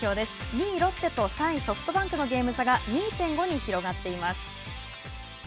２位ロッテと３位ソフトバンクのゲーム差が２．５に広がっています。